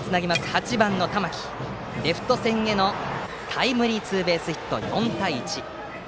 ８番、玉置のレフト線へのタイムリーツーベースヒットで４対１。